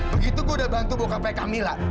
begitu gue udah bantu bokapai camilla